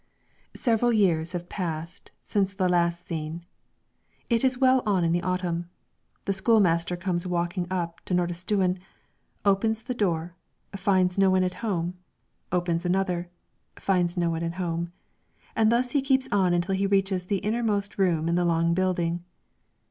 Several years have passed since the last scene. It is well on in the autumn. The school master comes walking up to Nordistuen, opens the outer door, finds no one at home, opens another, finds no one at home; and thus he keeps on until he reaches the innermost room in the long building.